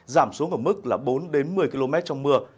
giảm xuống ở mức là bốn đến một mươi km trong mưa